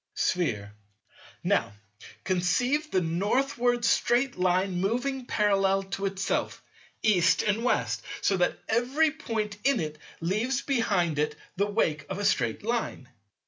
Sphere. Now conceive the Northward straight Line moving parallel to itself, East and West, so that every point in it leaves behind it the wake of a straight Line.